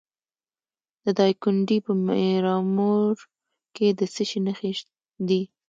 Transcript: د دایکنډي په میرامور کې د څه شي نښې دي؟